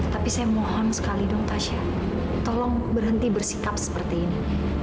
tapi saya mohon sekali dong tasya tolong berhenti bersikap seperti ini